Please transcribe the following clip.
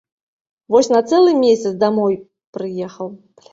Вось на цэлы месяц дамоў прыехаў.